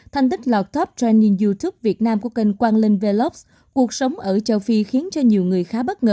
thành tích lọt top trending youtube việt nam của kênh hoàng linh về lốc cuộc sống ở châu phi khiến cho nhiều người khá bất ngờ